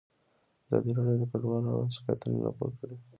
ازادي راډیو د کډوال اړوند شکایتونه راپور کړي.